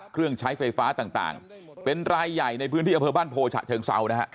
เครื่องใช้ไฟฟ้าต่างเป็นรายใหญ่ในพื้นที่อำเภอบ้านโพฉะเชิงเซานะฮะ